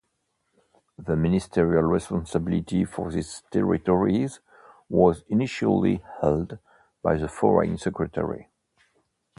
The ministerial responsibility for these territories was initially held by the Foreign Secretary.